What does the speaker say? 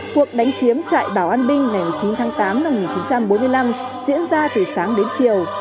cuộc đánh chiếm trại bảo an binh ngày một mươi chín tháng tám năm một nghìn chín trăm bốn mươi năm diễn ra từ sáng đến chiều